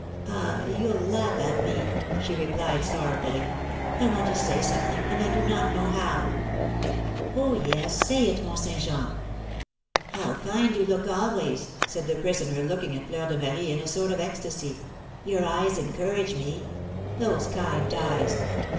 "Ah, you'll laugh at me," she replied, sorrowfully. "I want to say something, and I do not know how." "Oh, yes, say it, Mont Saint Jean!" "How kind you look always," said the prisoner, looking at Fleur de Marie in a sort of ecstasy; "your eyes encourage me, those kind eyes!